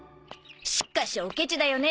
しっかしおケチだよね